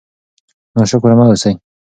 ناشکره مه اوسئ.